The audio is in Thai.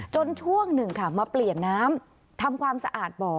ช่วงหนึ่งค่ะมาเปลี่ยนน้ำทำความสะอาดบ่อ